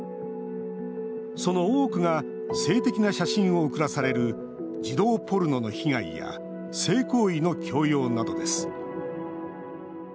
その多くが性的な写真を送らされる児童ポルノの被害や性行為の強要などです。